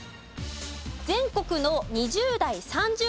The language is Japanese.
全国の２０代３０代の男女